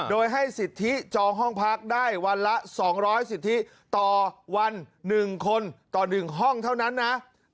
โดยให้สิทธิจองห้องพักได้วันละ๒๐๐สิทธิต่อวัน๑คนต่อ๑ห้องเท่านั้นนะ